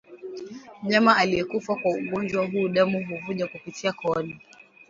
Mnyama aliyekufa kwa ugonjwa huu damu huvuja kupitia kooni